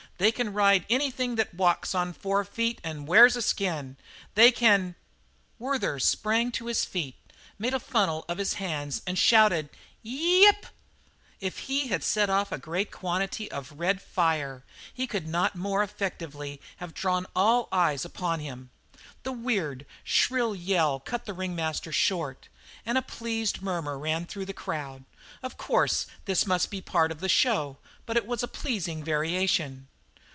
They can ride anything that walks on four feet and wears a skin; they can " Werther sprang to his feet, made a funnel of his hand, and shouted: "Yi i i ip!" If he had set off a great quantity of red fire he could not more effectively have drawn all eyes upon him. The weird, shrill yell cut the ringmaster short, and a pleased murmur ran through the crowd. Of course, this must be part of the show, but it was a pleasing variation.